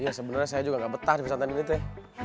iya sebenarnya saya juga gak betah di pesantren ini teh